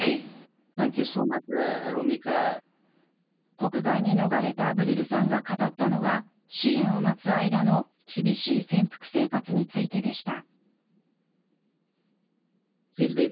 国外に逃れたアブドゥルさんが語ったのは、支援を待つ間の厳しい潜伏生活についてでした。